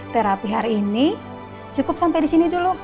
terapi hari ini cukup sampai disini dulu